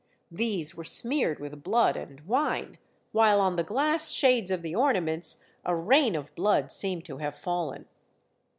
These were smeared with blood and wine, while on the glass shades of the ornaments a rain of blood seemed to have fallen.